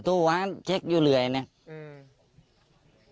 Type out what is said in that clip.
ถูกหาเช็คอยู่เลยเนี่ย